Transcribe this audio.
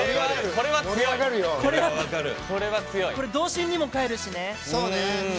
これは童心にも返るしね。